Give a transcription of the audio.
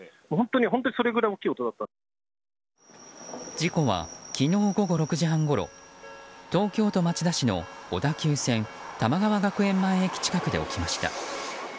事故は昨日午後６時半ごろ東京都町田市の小田急線玉川学園前駅近くで起きました。